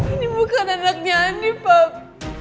ini bukan anaknya nih pak